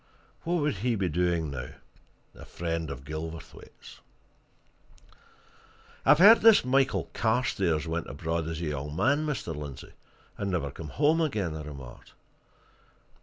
What would he be doing now, a friend of Gilverthwaite's?" "I've heard that this Mr. Michael Carstairs went abroad as a young man, Mr. Lindsey, and never came home again," I remarked.